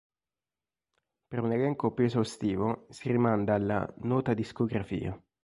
Per un elenco più esaustivo si rimanda alla "nota discografia".